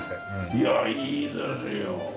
いやいいですよ。